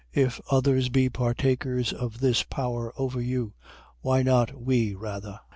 9:12. If others be partakers of this power over you, why not we rather?